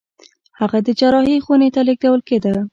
هغه د جراحي خونې ته لېږدول کېده.